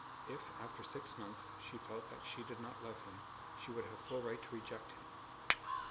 If after six months she felt that she did not love him she would have full right to reject him.